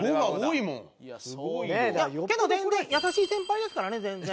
いやけど全然優しい先輩ですからね全然。